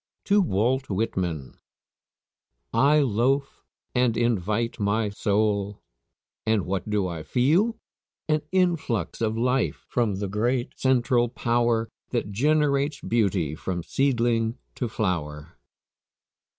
TO WALT WHITMAN. "I loafe and invite my soul." And what do I feel? An influx of life from the great central power That generates beauty from seedling to flower.